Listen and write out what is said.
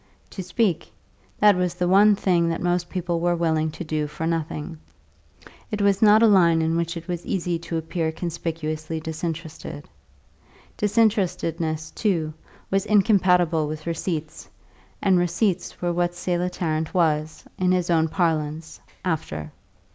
To speak that was the one thing that most people were willing to do for nothing; it was not a line in which it was easy to appear conspicuously disinterested. Disinterestedness, too, was incompatible with receipts; and receipts were what Selah Tarrant was, in his own parlance, after.